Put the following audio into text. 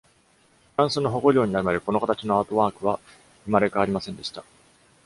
フランスの保護領になるまで、この形のアートワークは生まれ変わりませんでした。